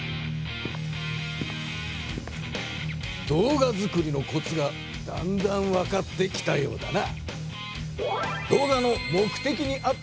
動画作りのコツがだんだんわかってきたようだな。